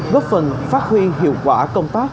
góp phần phát huyên hiệu quả công tác